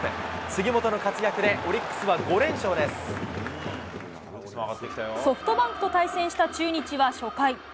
杉本の活躍で、オリックスは５連ソフトバンクと対戦した中日は初回。